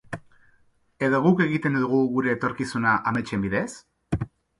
Edo guk egiten dugu gure etorkizuna ametsen bidez?